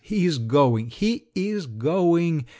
He is going! He is going!